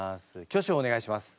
挙手をお願いします。